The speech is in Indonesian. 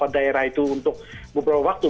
daerah itu untuk beberapa waktu